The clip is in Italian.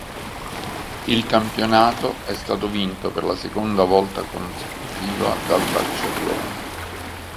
Il campionato è stato vinto per la seconda volta consecutiva dal Barcellona.